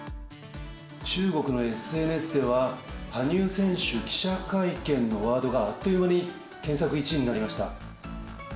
中国のＳＮＳでは、羽生選手記者会見のワードがあっという間に検索１位になりました。